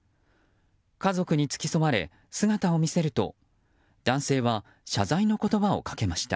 家族に付き添われ、姿を見せると男性は、謝罪の言葉をかけました。